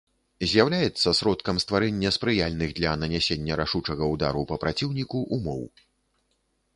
З'яўляецца сродкам стварэння спрыяльных для нанясення рашучага ўдару па праціўніку ўмоў.